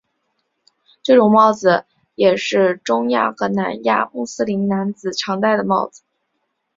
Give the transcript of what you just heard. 这种帽也是中亚和南亚穆斯林男子常佩戴的帽子。